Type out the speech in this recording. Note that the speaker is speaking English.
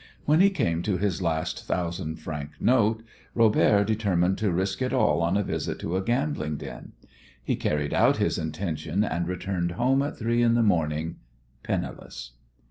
When he came to his last thousand franc note Robert determined to risk it all on a visit to a gambling den. He carried out his intention, and returned home at three in the morning penniless.